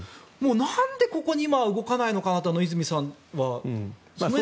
何でここで今、動かないのかと泉さんは。